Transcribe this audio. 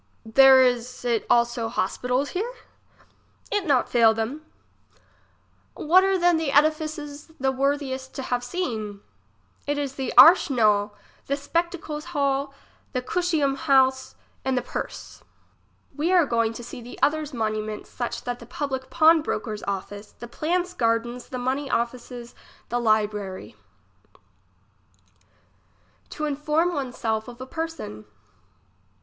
There is it also hospitals here ? It not fail them. What are then the edifices the worthest to have seen? It is the arsnehal, the spectacle's hall, the cu siom house and the Purse. 34 English as she is spoke. We are going too see the others monuments such that the public pawnbroker's office, the plants garden's the money office's, the library, 1^0 inform oneself of a person.